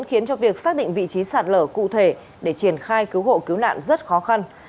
khiến cho việc xác định vị trí sạt lở cụ thể để triển khai cứu hộ cứu nạn rất khó khăn